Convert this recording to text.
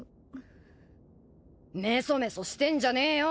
・メソメソしてんじゃねえよ。